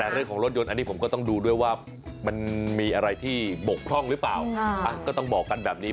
แต่เรื่องของรถยนต์อันนี้ผมก็ต้องดูด้วยว่ามันมีอะไรที่บกพร่องหรือเปล่าก็ต้องบอกกันแบบนี้